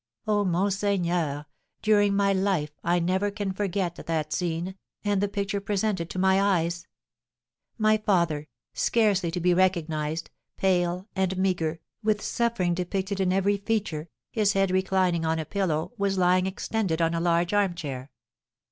"Oh, monseigneur, during my life I never can forget that scene, and the picture presented to my eyes. My father, scarcely to be recognised, pale and meagre, with suffering depicted in every feature, his head reclining on a pillow, was lying extended on a large armchair.